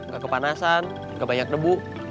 gak kepanasan nggak banyak nebu